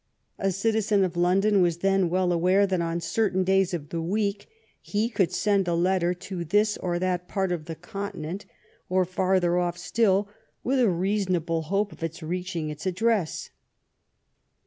A citizen of London was then well aware that on certain days of the week he could send a letter to this or that part of the continent, or farther off still, with a reasonable hope of its reaching its address.